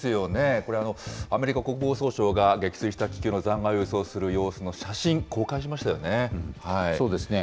これ、アメリカ国防総省が撃墜した気球の残骸を輸送する様子の写そうですね。